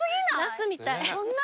ナスみたいな。